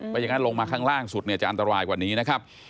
อย่างนั้นลงมาข้างล่างสุดเนี่ยจะอันตรายกว่านี้นะครับ